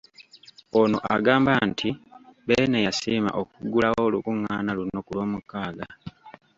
Ono agamba nti Beene yasiima okuggulawo olukung’aana luno ku Lwomukaaga .